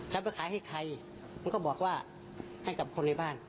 แล้วไปขายให้ใครมันก็บอกว่าให้กับคนในบ้าน